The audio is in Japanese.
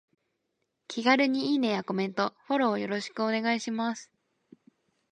気軽にいいねやコメント、フォローよろしくお願いします。